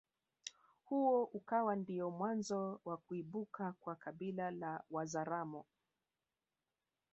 Huo ukawa ndiyo mwanzo wa kuibuka kwa kabila la Wazaramo